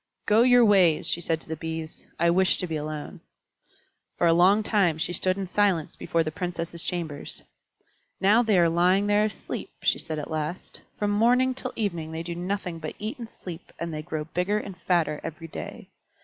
"Go your ways," she said to the Bees; "I wish to be alone." For a long time she stood in silence before the Princesses' chambers. "Now they are lying there asleep," she said at last. "From morning till evening they do nothing but eat and sleep, and they grow bigger and fatter every day.